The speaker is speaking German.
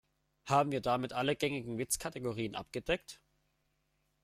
Haben wir damit alle gängigen Witzkategorien abgedeckt?